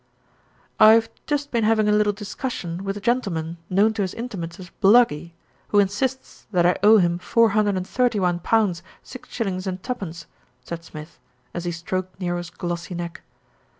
"I've just been having a little discussion with a gen tleman known to his intimates as Bluggy, who insists that I owe him four hundred and thirty one pounds six shillings and twopence," said Smith, as he stroked Nero's glossy neck.